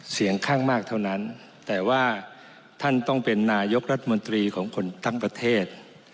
เสียงข้างมากเท่านั้นแต่ว่าท่านต้องเป็นนายกรัฐมนตรีของคนทั้งประเทศ